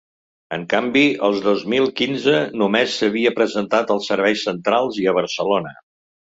En canvi, el dos mil quinze només s’havia presentat als serveis centrals i a Barcelona.